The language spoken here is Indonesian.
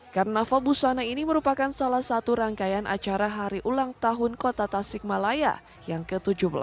karnaval busana ini merupakan salah satu rangkaian acara hari ulang tahun kota tasikmalaya yang ke tujuh belas